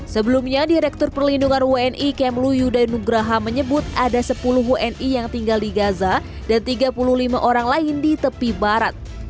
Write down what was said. sebelumnya direktur perlindungan wni kemlu yudai nugraha menyebut ada sepuluh wni yang tinggal di gaza dan tiga puluh lima orang lain di tepi barat